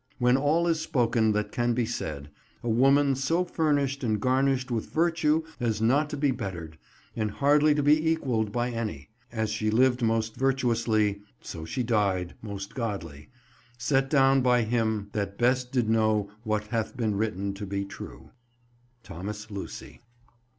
When all is spoken that can be said; a woman so furnished and garnished with Virtue as not to be bettered, and hardly to be equalled by any; as she lived most virtuously, so she dyed most godly. Set down by him that best did know what hath been written to be true. THOMAS LUCY.